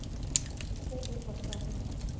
اس میں ایک مسئلہ ہے۔